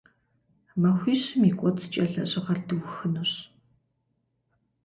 Махуищым и кӏуэцӏкӏэ лэжьыгъэр дыухынущ.